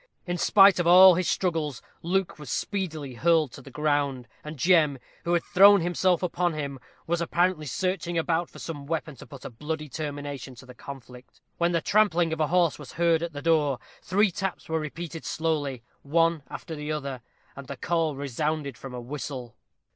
In spite of all his struggles, Luke was speedily hurled to the ground: and Jem, who had thrown himself upon him, was apparently searching about for some weapon to put a bloody termination to the conflict, when the trampling of a horse was heard at the door, three taps were repeated slowly, one after the other, and a call resounded from a whistle.